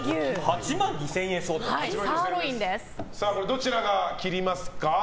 どちらが切りますか？